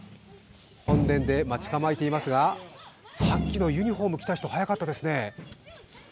本殿で待ち構えていますがさっきのユニフォーム着た人速かったですね。